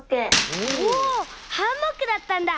おハンモックだったんだ！